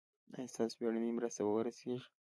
ایا ستاسو بیړنۍ مرسته به ورسیږي؟